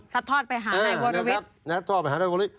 ซับทอดไปหานายวารวิท